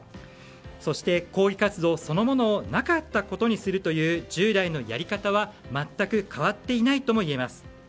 そして、抗議活動そのものをなかったことにするという従来のやり方は全く変わっていないともいえます。